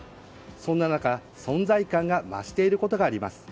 そんな中、存在感が増していることがあります。